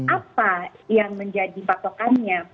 apa yang menjadi patokannya